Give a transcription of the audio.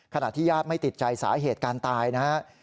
ขณะที่ญาติไม่ติดใจสาเหตุการตายนะครับ